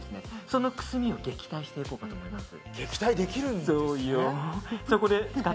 そのくすみを撃退していこうと思います。